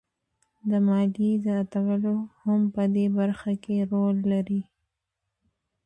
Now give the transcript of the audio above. د ماليې زیاتوالی هم په دې برخه کې رول لري